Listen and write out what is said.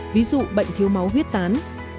ví dụ bệnh thiếu máu huyết tán